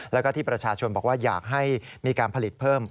แล้วก็ที่ประชาชนบอกว่าอยากให้มีการผลิตเพิ่ม